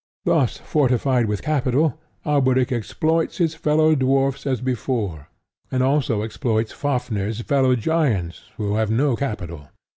Thus fortified with capital, Alberic exploits his fellow dwarfs as before, and also exploits Fafnir's fellow giants who have no capital.